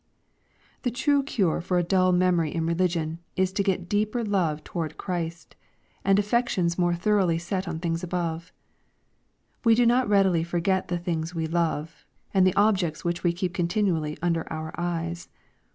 The true cure for a dull memory in religion, is to get deeper love toward Christ, and affections more thoroughly set on things above. We do not readily forget the things we love, and the objects which we keep continually under our eyes.